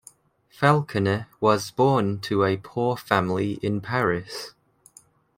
Falconet was born to a poor family in Paris.